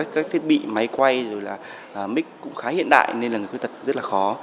các thiết bị máy quay rồi là mig cũng khá hiện đại nên là người khuyết tật rất là khó